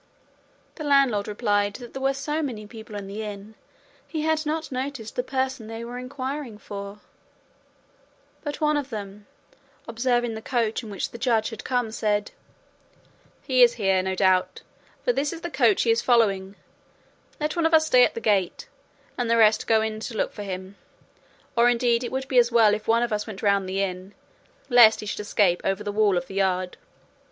The landlord replied that there were so many people in the inn he had not noticed the person they were inquiring for; but one of them observing the coach in which the Judge had come, said, "He is here no doubt, for this is the coach he is following: let one of us stay at the gate, and the rest go in to look for him; or indeed it would be as well if one of us went round the inn, lest he should escape over the wall of the yard."